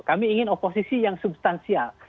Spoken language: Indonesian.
kami ingin oposisi yang substansial